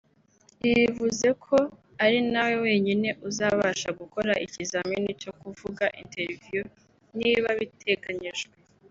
Ibi bivuze ko ari nawe wenyine uzabasha gukora ikizamini cyo kuvuga (Interview) niba biteganyijwe